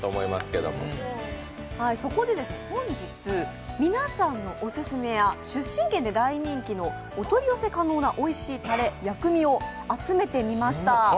そこで本日、皆さんのオススメや出身県で大人気のお取り寄せ可能なおいしいタレ、薬味を集めてみました。